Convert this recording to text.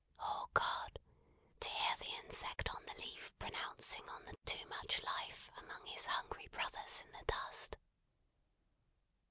Oh God! to hear the Insect on the leaf pronouncing on the too much life among his hungry brothers in the dust!"